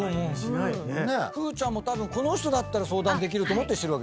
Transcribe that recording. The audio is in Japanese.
ふーちゃんもこの人だったら相談できると思ってしてる。